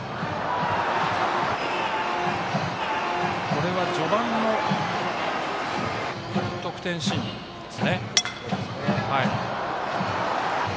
これは序盤の得点シーンです。